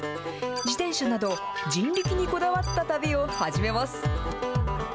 自転車など、人力にこだわった旅を始めます。